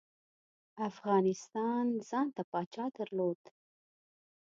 افغانستان ځانته پاچا درلود.